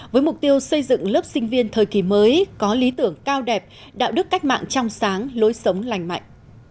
với mục tiêu xây dựng lớp sinh viên thời kỳ mới có lý tưởng cao đẹp đạo đức cách mạng trong sáng lối sống lành mạnh